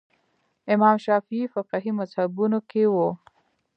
امام شافعي فقهي مذهبونو کې وو